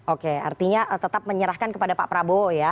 oke artinya tetap menyerahkan kepada pak prabowo ya